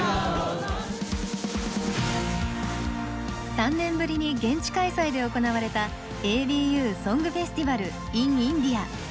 ３年ぶりに現地開催で行われた「ＡＢＵソングフェスティバルｉｎインディア」。